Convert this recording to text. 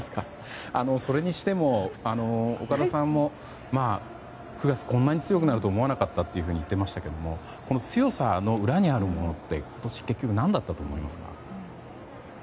それにしても岡田さんも９月、こんなに強くなると思わなかったと言ってましたがこの強さの裏にあるものって結局、何だったと思いますか？